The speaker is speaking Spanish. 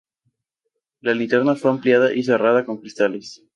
La linterna fue ampliada y cerrada con cristales.